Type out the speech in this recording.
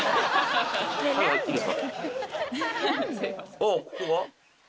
ああここは？